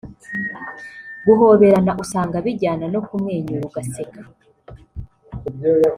Guhoberana usanga bijyana no kumwenyura ugaseka